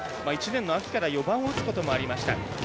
１年の秋から４番を打つこともありました。